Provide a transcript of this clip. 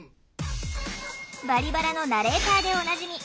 「バリバラ」のナレーターでおなじみ